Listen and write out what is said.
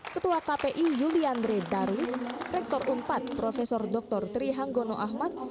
ketua kpi yuliandre darwis rektor empat prof dr tri hanggono ahmad